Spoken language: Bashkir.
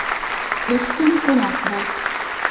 Өс көн ҡунаҡ бул